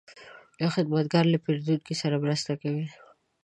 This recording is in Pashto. دا خدمتګر له پیرودونکو سره مرسته کوي.